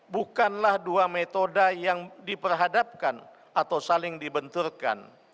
bukanlah dua metode yang diperhadapkan atau saling dibenturkan